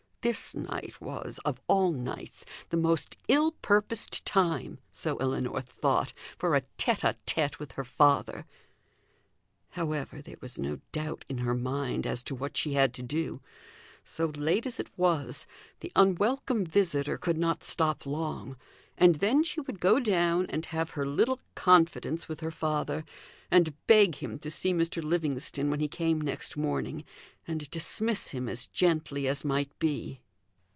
This night was, of all nights, the most ill purposed time (so Ellinor thought) for a tete a tete with her father! However, there was no doubt in her mind as to what she had to do. So late as it was, the unwelcome visitor could not stop long; and then she would go down and have her little confidence with her father, and beg him to see Mr. Livingstone when he came next morning, and dismiss him as gently as might be.